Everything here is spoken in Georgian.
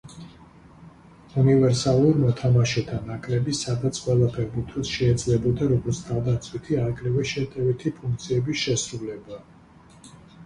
უნივერსალურ მოთამაშეთა ნაკრები, სადაც ყველა ფეხბურთელს შეეძლებოდა როგორც თავდაცვითი, აგრეთვე შეტევითი ფუნქციების შესრულება.